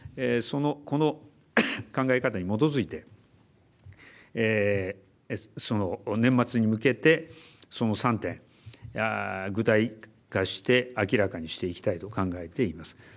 この考え方に基づいて年末に向けてその３点具体化して明らかにしていきたいと考えています。